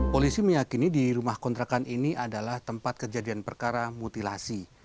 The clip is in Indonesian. polisi meyakini di rumah kontrakan ini adalah tempat kejadian perkara mutilasi